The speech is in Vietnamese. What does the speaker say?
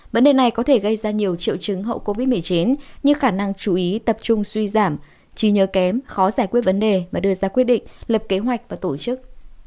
vấn đề này có thể gây ra nhiều triệu chứng hậu covid một mươi chín như khả năng chú ý tập trung suy giảm trí nhớ kém khó giải quyết vấn đề mà đưa ra quyết định lập kế hoạch và tổ chức